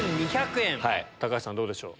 橋さんどうでしょう？